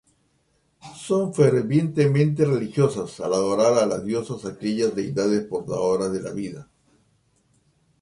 Son fervientemente religiosas, al adorar a las diosas, aquellas deidades portadoras de la vida.